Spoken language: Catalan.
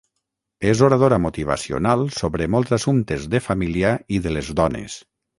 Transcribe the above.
És oradora motivacional sobre molts assumptes de família i de les dones.